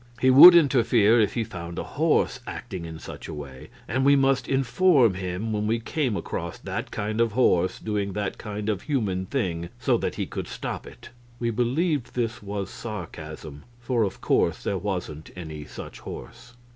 He would interfere if he found a horse acting in such a way, and we must inform him when we came across that kind of horse doing that kind of human thing, so that he could stop it. We believed this was sarcasm, for of course there wasn't any such horse.